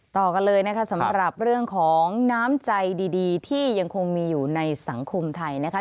ต่อกันเลยนะคะสำหรับเรื่องของน้ำใจดีที่ยังคงมีอยู่ในสังคมไทยนะคะ